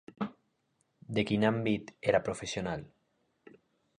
De quin àmbit era professional?